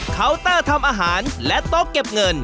เคาน์เตอร์ทำอาหารและต้องเก็บเงิน